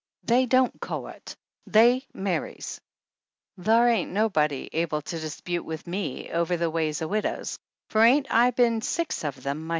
"They don't cou't ; they marries ! Thar ain't nobody able to dispute with me over the ways o' widows, for ain't I done been six of them myself?"